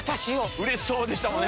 うれしそうでしたもんね